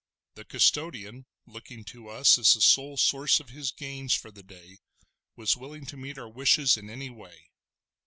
The custodian, looking to us as the sole source of his gains for the day, was willing to meet our wishes in any way.